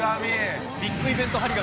ビッグイベント張り紙。